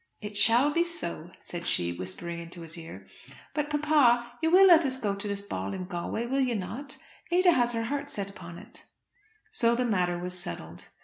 "It shall be so," said she, whispering into his ear. "But, papa, you will let us go to this ball in Galway, will you not? Ada has set her heart upon it." So the matter was settled.